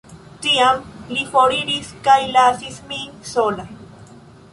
Tiam li foriris kaj lasis min sola.